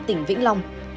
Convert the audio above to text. tỉnh vĩnh phong